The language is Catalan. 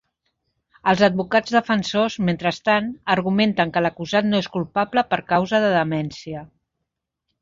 Els advocats defensors, mentrestant, argumenten que l'acusat no és culpable per causa de demència.